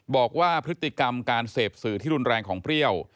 บอกว่าพฤติกรรมการเสพสื่อที่รุนแรงของเปรี้ยว